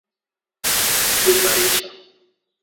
kuimarisha